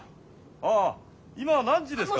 ああ今何時ですか？